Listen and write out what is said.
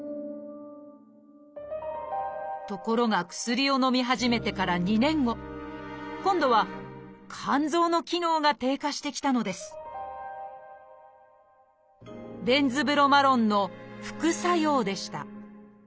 ところが薬をのみ始めてから２年後今度は肝臓の機能が低下してきたのです「ベンズブロマロン」の副作用でした。